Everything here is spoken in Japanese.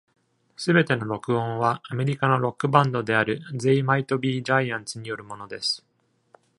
すべての録音はアメリカのロックバンドであるゼイ・マイト・ビー・ジャイアンツによるものです。